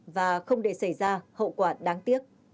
và không để xảy ra hậu quả đáng tiếc